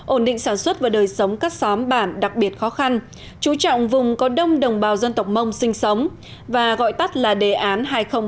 ổn định sản xuất và đời sống các xóm bản đặc biệt khó khăn chú trọng vùng có đông đồng bào dân tộc mông sinh sống và gọi tắt là đề án hai nghìn ba mươi